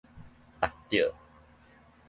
觸到